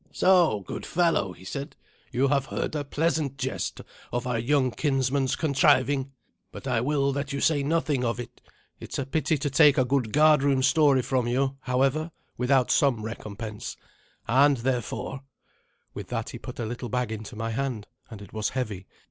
"So, good fellow," he said, "you have heard a pleasant jest of our young kinsman's contriving, but I will that you say nothing of it. It is a pity to take a good guardroom story from you, however, without some recompense, and therefore " With that he put a little bag into my hand, and it was heavy.